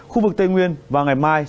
khu vực tây nguyên và ngày mai